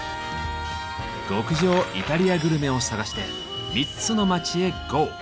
極上イタリアグルメを探して３つの街へＧＯ！